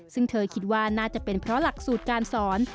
ซึ่งเธอคิดว่าน่าจะเป็นเพราะหลักสูตรการสอน